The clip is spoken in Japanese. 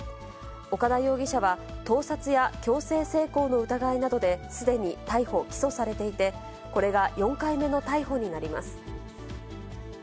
岡田容疑者は盗撮や強制性交の疑いなどですでに逮捕・起訴されていて、これが４回目の逮捕になります。